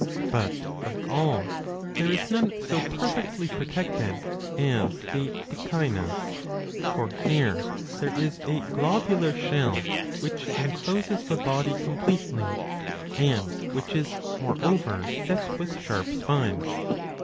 But of all there is none so perfectly protected as the Echinus. For here there is a globular shell which encloses the body completely, and which is moreover set with sharp spines.